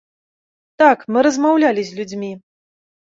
Так, мы размаўлялі з людзьмі.